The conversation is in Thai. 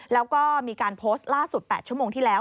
แล้วก็มีการโพสต์ล่าสุด๘ชั่วโมงที่แล้ว